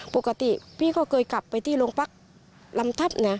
ปกติพี่ก็เคยกลับไปที่โรงพักลำทับนะ